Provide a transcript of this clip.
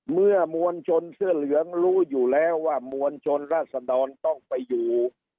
มวลชนเสื้อเหลืองรู้อยู่แล้วว่ามวลชนราษดรต้องไปอยู่